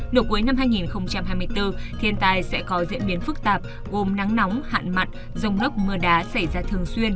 nửa cuối năm hai nghìn hai mươi bốn thiên tai sẽ có diễn biến phức tạp gồm nắng nóng hạn mặn rông lốc mưa đá xảy ra thường xuyên